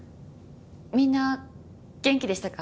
みんな元気でしたか？